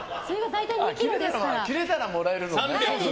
切れたらもらえるのね。